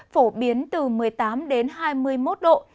phổ biến từ một mươi tám đến hai mươi một độ